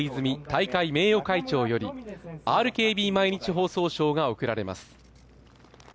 大会名誉会長よりＲＫＢ毎日放送賞が贈られます。